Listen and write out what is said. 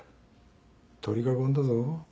取り囲んだぞ。